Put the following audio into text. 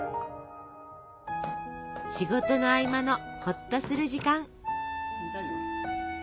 仕事の合間のほっとする時間。